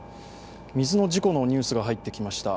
水の事故のニュースが入ってきました。